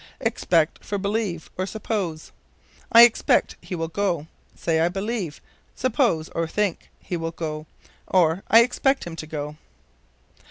Expect for Believe, or Suppose. "I expect he will go." Say, I believe (suppose or think) he will go; or, I expect him to go.